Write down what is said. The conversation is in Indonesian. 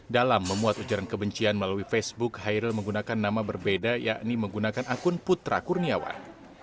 dalam memuat ujaran kebencian melalui facebook hairul menggunakan nama berbeda yakni menggunakan akun putra kurniawan